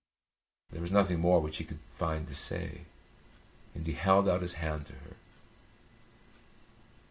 There was nothing more which he could find to say, and he held out his hand to her.